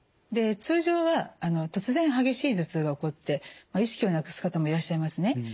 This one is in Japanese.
で通常は突然激しい頭痛が起こって意識をなくす方もいらっしゃいますね。